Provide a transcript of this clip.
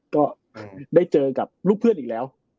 ก็ได้เจอกับลูกเพื่อนอีกแล้ว